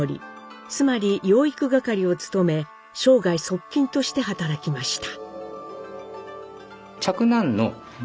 つまり養育係を務め生涯側近として働きました。